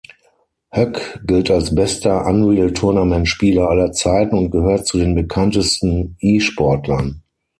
Höck gilt als bester Unreal-Tournament-Spieler aller Zeiten und gehört zu den bekanntesten E-Sportlern.